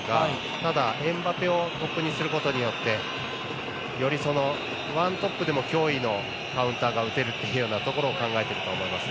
ただ、エムバペをトップにすることによってより、ワントップでも脅威のカウンターが打てるということを考えてると思います。